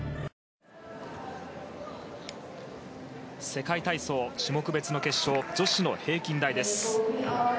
世界体操種目別決勝女子の平均台です。